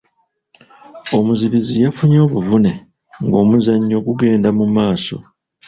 Omuzibizi yafunye obuvune ng'omuzannyo gugenda mu maaso.